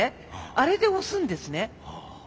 あれで押すんですね。